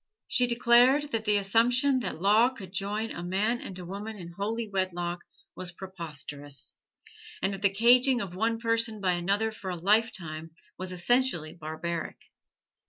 She declared that the assumption that law could join a man and a woman in holy wedlock was preposterous, and that the caging of one person by another for a lifetime was essentially barbaric.